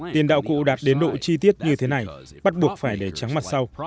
tiền đạo cụ đạt đến độ chi tiết như thế này bắt buộc phải để trắng mặt sau